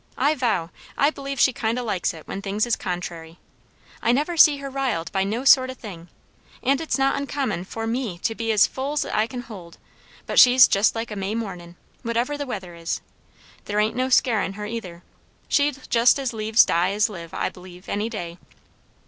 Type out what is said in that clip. I vow, I b'lieve she kind o' likes it when things is contrairy. I never see her riled by no sort o' thing; and it's not uncommon for me to be as full's I kin hold; but she's just like a May mornin', whatever the weather is. There ain't no scarin' her, either; she'd jest as lieves die as live, I b'lieve, any day."